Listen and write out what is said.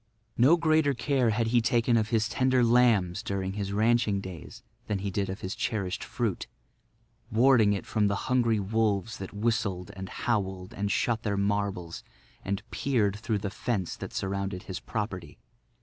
No greater care had he taken of his tender lambs during his ranching days than he did of his cherished fruit, warding it from the hungry wolves that whistled and howled and shot their marbles and peered through the fence that surrounded his property.